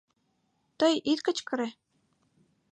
Тый ит кычкыре!